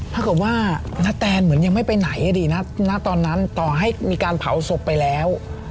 ถ้าเกิดว่าณแตนเหมือนยังไม่ไปไหนอดีตณตอนนั้นต่อให้มีการเผาศพไปแล้ว